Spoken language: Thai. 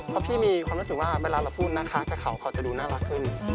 เพราะพี่มีความรู้สึกว่าเวลาเราพูดนะคะแต่เขาจะดูน่ารักขึ้น